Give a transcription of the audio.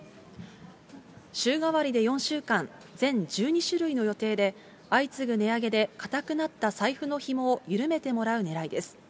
週替わりで４週間、全１２種類の予定で、相次ぐ値上げで固くなった財布のひもを緩めてもらうねらいです。